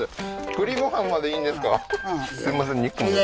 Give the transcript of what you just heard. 栗ご飯までいいんですか？